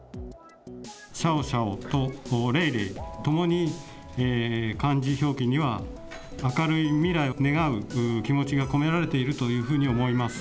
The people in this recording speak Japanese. シャオシャオとレイレイ、ともに漢字表記には、明るい未来を願う気持ちが込められているというふうに思います。